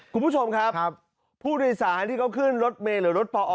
คุณผู้ชมครับผู้โดยสารที่เขาขึ้นรถเมย์หรือรถปอ